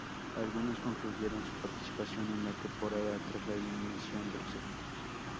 Algunos Concluyeron su participación en la temporada tras la eliminación de los equipos.